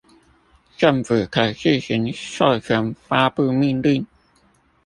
政府可自行授權發布命令